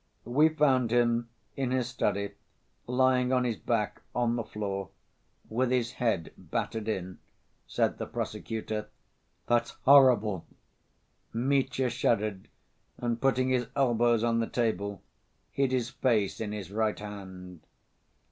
"We found him in his study, lying on his back on the floor, with his head battered in," said the prosecutor. "That's horrible!" Mitya shuddered and, putting his elbows on the table, hid his face in his right hand.